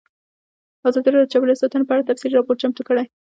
ازادي راډیو د چاپیریال ساتنه په اړه تفصیلي راپور چمتو کړی.